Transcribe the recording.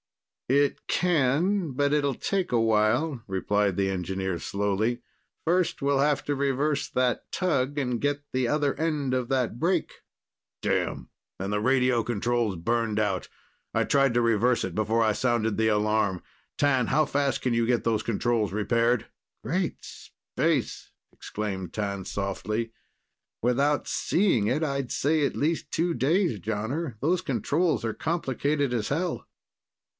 "It can, but it'll take a while," replied the engineer slowly. "First, we'll have to reverse that tug and get the other end of that break." "Damn, and the radio control's burned out. I tried to reverse it before I sounded the alarm. T'an, how fast can you get those controls repaired?" "Great space!" exclaimed T'an softly. "Without seeing it, I'd say at least two days, Jonner. Those controls are complicated as hell."